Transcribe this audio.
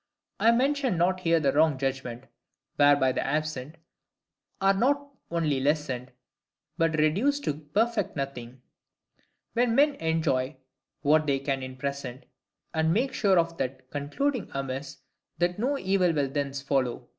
I mention not here the wrong judgment, whereby the absent are not only lessened, but reduced to perfect nothing; when men enjoy what they can in present, and make sure of that, concluding amiss that no evil will thence follow.